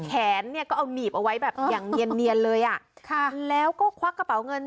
แขนเนี่ยก็เอาหนีบเอาไว้แบบอย่างเนียนเลยอ่ะค่ะแล้วก็ควักกระเป๋าเงิน